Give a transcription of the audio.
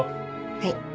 はい。